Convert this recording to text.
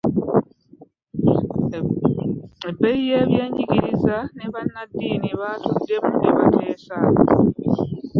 Abeeby'enjigiriza ne bannaddiini baatuddemu ne bateesa.